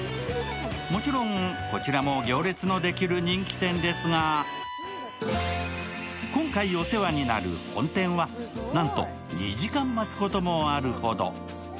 もちろんこちらも行列のできる人気店ですが、今回、お世話になる本店はなんと２時間待つこともあるほど。